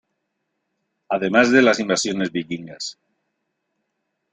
Además de las invasiones vikingas.